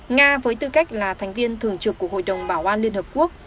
nga với tư cách là thành viên thường trực của hội đồng bảo an liên hợp quốc